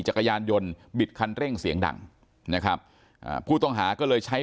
จักรยานยนต์บิดคันเร่งเสียงดังนะครับอ่าผู้ต้องหาก็เลยใช้